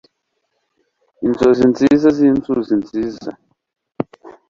inzozi nziza zinzuzi nziza